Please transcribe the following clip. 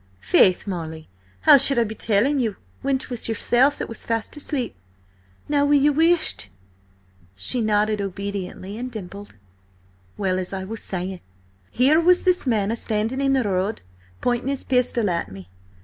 "Faith, Molly, how should I be telling you when 'twas yourself that was fast asleep? Now will you whisht?" She nodded obediently, and dimpled. "Well, as I say, here was this man standing in the road, pointing his pistol at me.